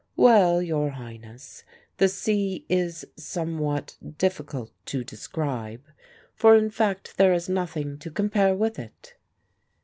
"Well, your Highness, the sea is somewhat difficult to describe, for in fact there is nothing to compare with it."